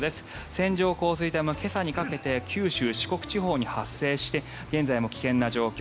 線状降水帯も今朝にかけて九州・四国地方に発生して現在も危険な状況。